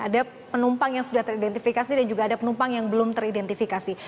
ada penumpang yang sudah teridentifikasi dan juga ada penumpang yang belum teridentifikasi